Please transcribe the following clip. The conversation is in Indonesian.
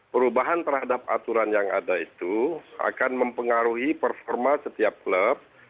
perubahan terhadap aturan yang ada itu akan mempengaruhi performa setiap klub